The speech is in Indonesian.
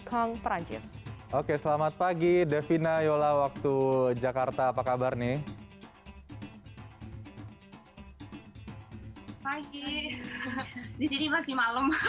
kong perancis oke selamat pagi devina yola waktu jakarta apa kabar nih pagi di sini masih malam